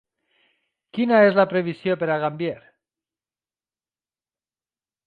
Quina és la previsió per a Gambier?